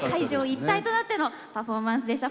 一体となってのパフォーマンスでした。